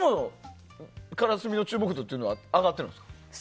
からすみの注目度は上がっているんですか？